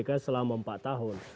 jadi saya ingin menjawab